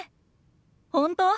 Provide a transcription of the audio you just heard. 本当？